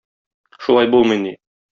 Шулай булмый ни!